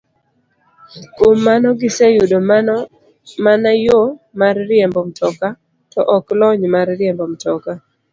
Kuom mano, giseyudo mana yo mar riembo mtoka, to ok lony mar riembo mtoka.